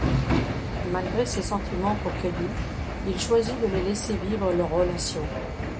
Malgré ses sentiments pour Cuddy, il choisit de les laisser vivre leur relation.